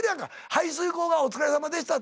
排水口が「お疲れさまでした」